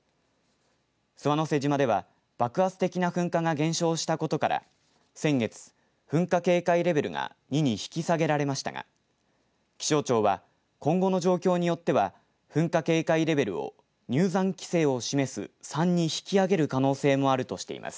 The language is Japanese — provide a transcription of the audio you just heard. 諏訪之瀬島では爆発的な噴火が減少したことから先月、噴火警戒レベルが２に引き下げられましたが気象庁は今後の状況によっては噴火警戒レベルを入山規制を示す３に引き上げる可能性もあるとしています。